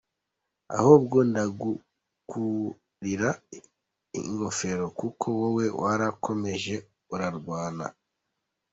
Ahubwo ndagukurira ingofero, kuko wowe warakomeje urarwana.